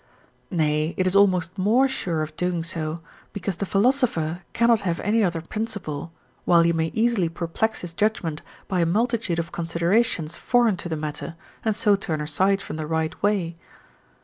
Nay, it is almost more sure of doing so, because the philosopher cannot have any other principle, while he may easily perplex his judgement by a multitude of considerations foreign to the matter, and so turn aside from the right way.